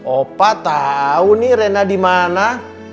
opa tau nih reina dimana